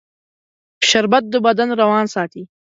شربت د بدن روان ساتي